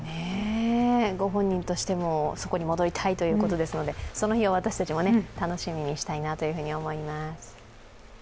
ご本人としてもそこに戻りたいということですのでその日を私たちも楽しみにしたいと思います。